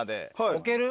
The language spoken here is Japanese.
置ける？